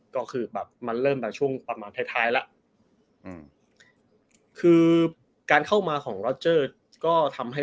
ก็คือแบบมันเริ่มมาช่วงประมาณท้ายท้ายแล้วอืมคือการเข้ามาของรอเจอร์ก็ทำให้